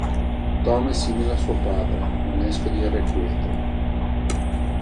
Tom è simile a suo padre, manesco ed irrequieto.